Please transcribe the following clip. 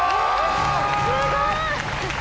すごい。